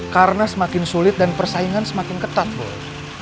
karena semakin sulit dan persaingan semakin ketat boy